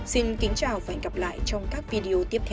xin kính chào và hẹn gặp lại trong các video tiếp theo